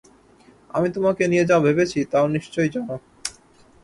আমি তোমাকে নিয়ে যা ভেবেছি, তাও নিশ্চয়ই জান?